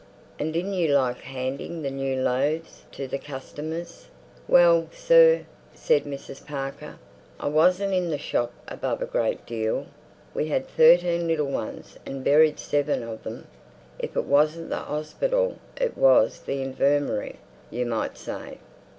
"And didn't you like handing the new loaves to the customers?" "Well, sir," said Mrs. Parker, "I wasn't in the shop above a great deal. We had thirteen little ones and buried seven of them. If it wasn't the 'ospital it was the infirmary, you might say!"